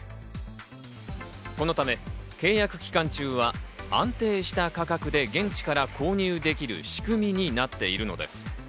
このため契約期間中は安定した価格で、現地から購入できる仕組みになっているのです。